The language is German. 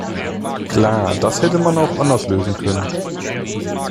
Klar, das hätte man auch anders lösen können.